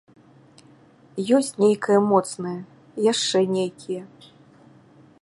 Ёсць нейкае моцнае, яшчэ нейкія.